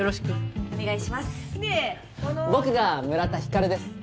僕が村田光です。